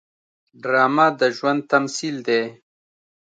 ډرامه د ژوند تمثیل دی